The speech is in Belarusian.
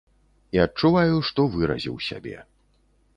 І адчуваю, што выразіў сябе.